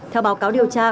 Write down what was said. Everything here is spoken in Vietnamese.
theo báo cáo điều tra